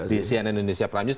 di cnn indonesia prime news